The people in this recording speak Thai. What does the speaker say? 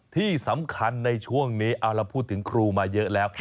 ที่สำคัญในช่วงนี้เอาเราพูดถึงครูมาเยอะแล้ว